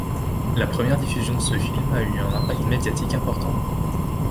La première diffusion de ce film a eu un impact médiatique important.